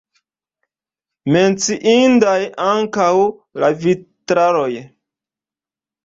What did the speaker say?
Menciindaj ankaŭ la vitraloj.